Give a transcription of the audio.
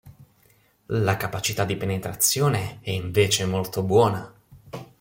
La capacità di penetrazione è invece molto buona.